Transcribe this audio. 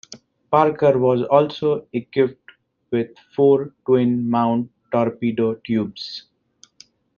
"Parker" was also equipped with four twin mount torpedo tubes.